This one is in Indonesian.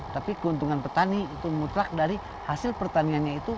tapi keuntungan petani itu mutlak dari hasil pertaniannya itu